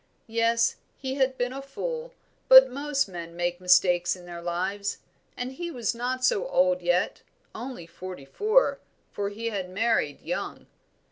Yes, he had been a fool, but most men made mistakes in their lives, and he was not so old yet only forty four, for he had married young.